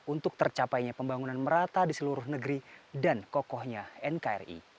untuk tercapainya pembangunan merata di seluruh negeri dan kokohnya nkri